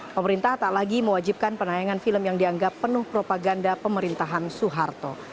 pemerintah tak lagi mewajibkan penayangan film yang dianggap penuh propaganda pemerintahan soeharto